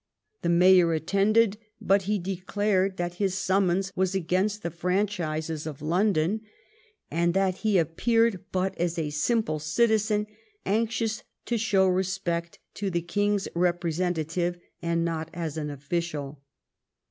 The mayor attended, but he declared that his summons was against the franchises of London, and that he appeared but as a simple citizen anxious to shoAV respect to the king's representative, and not as an official.